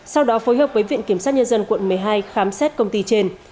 sau đó phối hợp với viện kiểm sát nhân dân quận một mươi hai khám xét công ty trên